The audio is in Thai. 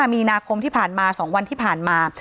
มีนาคมที่ผ่านมา๒วันที่ผ่านมา